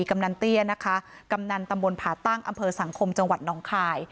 กำนันเตี้ยนะคะกำนันตำบลผ่าตั้งอำเภอสังคมจังหวัดน้องคาย